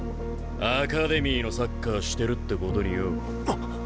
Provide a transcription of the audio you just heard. アカデミーのサッカーしてるってことによ。